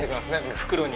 袋に。